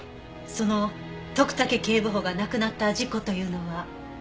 その徳武警部補が亡くなった事故というのは？